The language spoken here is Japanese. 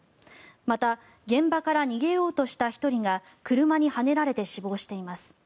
また現場から逃げようとした１人が車にはねられて死亡しています。